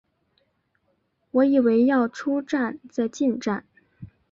我以为要出站再进站